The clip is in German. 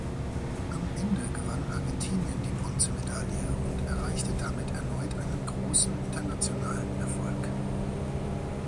Am Ende gewann Argentinien die Bronzemedaille und erreichte damit erneut einen großen internationalen Erfolg.